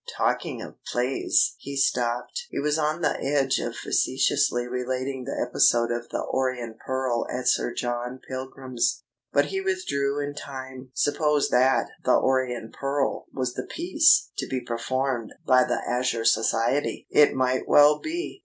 Talking of plays " He stopped. He was on the edge of facetiously relating the episode of "The Orient Pearl" at Sir John Pilgrim's; but he withdrew in time. Suppose that "The Orient Pearl" was the piece to be performed by the Azure Society! It might well be.